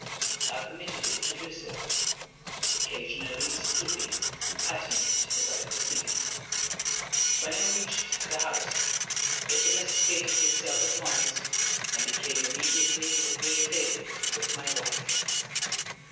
I permitted it to do so; occasionally stooping and patting it as I proceeded. When it reached the house it domesticated itself at once, and became immediately a great favorite with my wife.